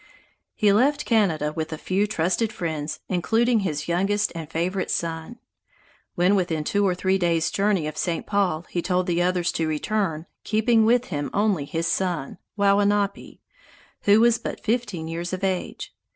He left Canada with a few trusted friends, including his youngest and favorite son. When within two or three days' journey of St. Paul, he told the others to return, keeping with him only his son, Wowinape, who was but fifteen years of age.